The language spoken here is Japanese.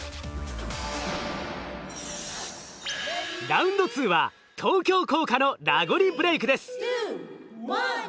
ラウンド２は東京工科のラゴリブレイクです。